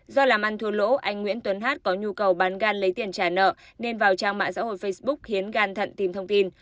do làm ăn thua lỗ anh nguyễn tuấn hát có nhu cầu bán gan lấy tiền trả nợ nên vào trang mạng xã hội facebook khiến gan thận tìm thông tin